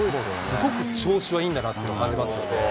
すごく調子はいいんだなっていうのは感じますね。